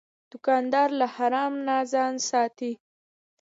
دوکاندار له حرام نه ځان ساتي.